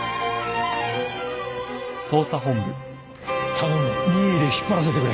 頼む任意で引っ張らせてくれ。